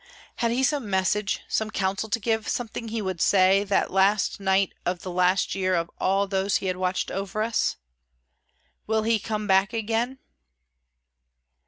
Had he some message, some counsel to give, something he would say, that last night of the last year of all those he had watched over us? Will he come back again?